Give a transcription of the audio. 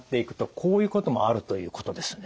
こういうこともあるということですね。